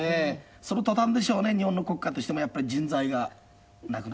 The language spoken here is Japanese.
その途端でしょうね日本の国家としてもやっぱり人材がなくなってしまったという。